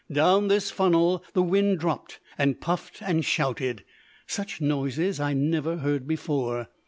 Down this funnel the wind dropped, and puffed and shouted. Such noises I never heard before.